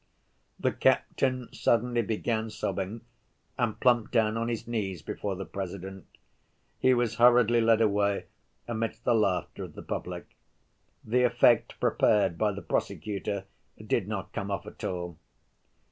The captain suddenly began sobbing, and plumped down on his knees before the President. He was hurriedly led away amidst the laughter of the public. The effect prepared by the prosecutor did not come off at all.